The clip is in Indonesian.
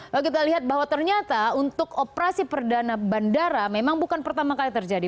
lalu kita lihat bahwa ternyata untuk operasi perdana bandara memang bukan pertama kali terjadi